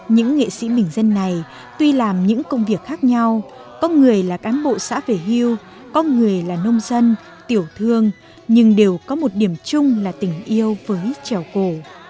những nghệ sĩ bình dân này tuy làm những công việc khác nhau có người là cán bộ xã về hưu có người là nông dân tiểu thương nhưng đều có một điểm chung là tình yêu với trèo cổ